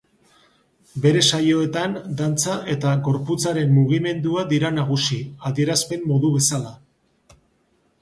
Bere saioetan dantza eta gorputzaren mugimendua dira nagusi adierazpen modu bezala.